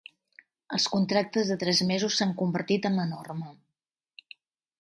Els contractes de tres mesos s'han convertit en la norma.